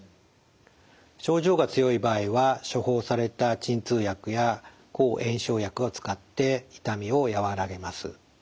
症状が強い場合は処方された鎮痛薬や抗炎症薬を使って痛みをやわらげます。